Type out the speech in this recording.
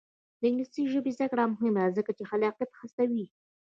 د انګلیسي ژبې زده کړه مهمه ده ځکه چې خلاقیت هڅوي.